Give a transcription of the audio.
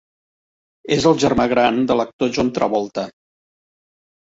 És el germà gran de l'actor John Travolta.